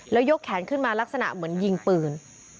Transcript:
แล้วยกแขนขึ้นมาลักษณะเหมือนยิงปืน